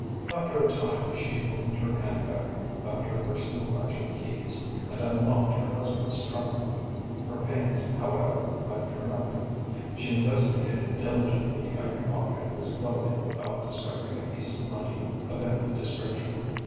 After a time, she opened her handbag, found her personal bunch of keys, and unlocked her husband's trunk. Her pains, however, went for nothing; she investigated diligently every pocket of his clothing without discovering a piece of money of any description.